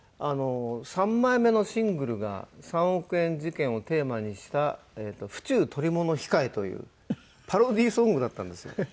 あの３枚目のシングルが三億円事件をテーマにした『府中捕物控』というパロディーソングだったんですよ。